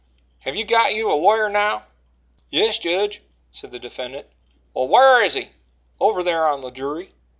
Have you got you a lawyer now?" "Yes, jedge," said the defendant. "Well, whar is he?" "Over thar on the jury."